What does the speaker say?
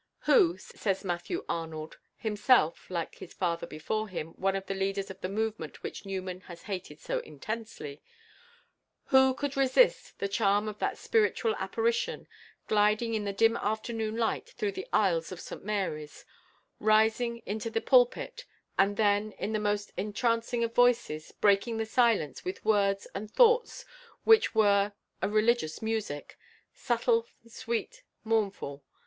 "Who," says Matthew Arnold, himself, like his father before him, one of the leaders of the movement which Newman has hated so intensely, "who could resist the charm of that spiritual apparition, gliding in the dim afternoon light through the aisles of St Mary's, rising into the pulpit, and then, in the most entrancing of voices, breaking the silence with words and thoughts which were a religious music subtle, sweet, mournful?